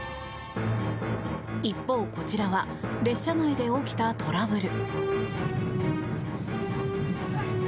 一方、こちらは列車内で起きたトラブル。